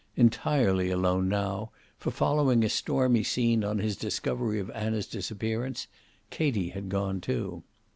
Entirely alone now, for following a stormy scene on his discovery of Anna's disappearance, Katie had gone too.